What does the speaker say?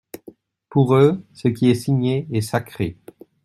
Pour eux, ce qui est signé est sacré.